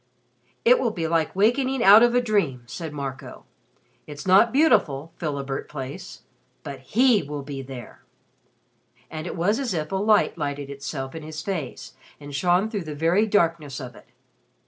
"It will be like wakening out of a dream," said Marco. "It's not beautiful Philibert Place. But he will be there," And it was as if a light lighted itself in his face and shone through the very darkness of it.